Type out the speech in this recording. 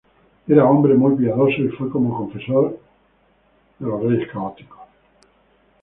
Era hombre muy piadoso y fue como confesor de los Reyes Católicos.